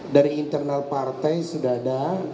dari internal partai sudah ada